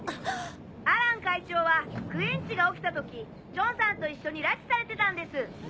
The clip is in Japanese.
アラン会長はクエンチが起きた時ジョンさんと一緒に拉致されてたんです。